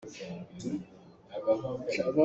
Na fanu kum zeizat dah a si?